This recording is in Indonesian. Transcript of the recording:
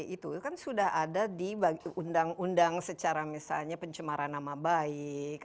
itu kan sudah ada di undang undang secara misalnya pencemaran nama baik